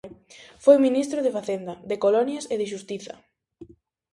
Foi ministro de Facenda, de Colonias e de Xustiza.